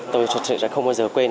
tôi thật sự sẽ không bao giờ quên